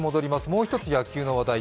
もう１つ野球の話題。